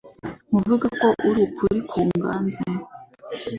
nkuvuge uko uri ukuri kuganze,